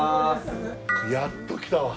やっと来たわ。